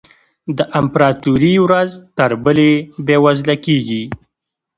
د امپراتوري ورځ تر بلې بېوزله کېږي.